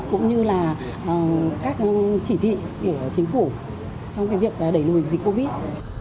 cũng như là các chỉ thị của chính phủ trong việc đẩy lùi dịch covid